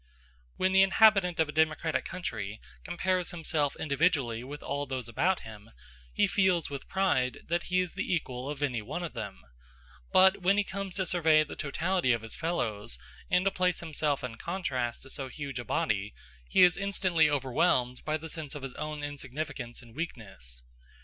When the inhabitant of a democratic country compares himself individually with all those about him, he feels with pride that he is the equal of any one of them; but when he comes to survey the totality of his fellows, and to place himself in contrast to so huge a body, he is instantly overwhelmed by the sense of his own insignificance and weakness.